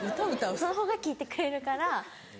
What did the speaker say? そのほうが聞いてくれるから。